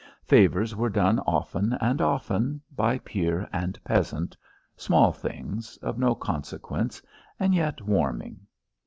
Favours were done often and often, by peer and peasant small things, of no consequence, and yet warming.